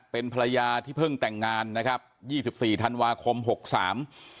เป็นภรรยาที่เพิ่งแต่งงานนะครับยี่สิบสี่ธันวาคมหกสาม